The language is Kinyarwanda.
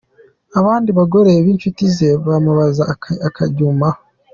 Abandi bagore b’inshuti ze bamubaza akaryumaho.